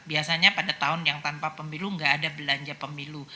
biasanya pada tahun yang tanpa pemilu nggak ada belanja pemilu